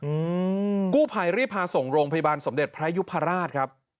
อืมกู้ภัยรีบพาส่งโรงพยาบาลสมเด็จพระยุพราชครับ